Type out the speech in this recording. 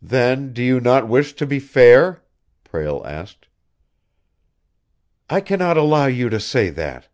"Then you do not wish to be fair?" Prale asked. "I cannot allow you to say that.